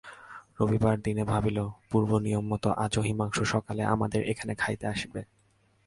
রবিবারদিনে ভাবিল, পূর্বনিয়মমত আজও হিমাংশু সকালে আমাদের এখানে খাইতে আসিবে।